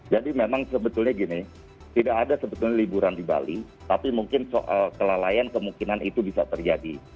jadi memang sebetulnya gini tidak ada sebetulnya liburan di bali tapi mungkin kelelayan kemungkinan itu bisa terjadi